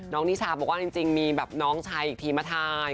นิชาบอกว่าจริงมีแบบน้องชายอีกทีมาทาย